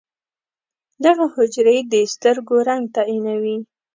دغه حجرې د سترګو رنګ تعیینوي.